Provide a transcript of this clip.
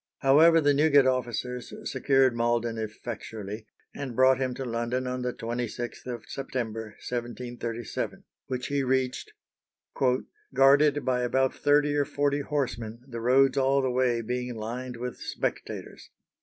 However, the Newgate officers secured Malden effectually, and brought him to London on the 26th of September, 1737, which he reached "guarded by about thirty or forty horsemen, the roads all the way being lined with spectators."